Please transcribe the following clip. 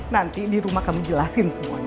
nanti di rumah kami jelasin semuanya